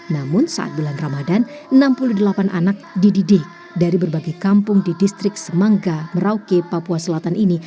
namun saat bulan ramadan enam puluh delapan anak dididik dari berbagai kampung di distrik semangga merauke papua selatan ini